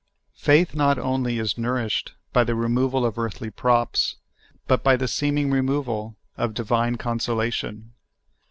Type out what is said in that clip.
Faith not only is nourished by the removal of earthly props, but by the seeming removal of divine consolation.